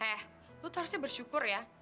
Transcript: eh lo harusnya bersyukur ya